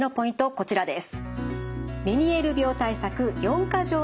こちらです。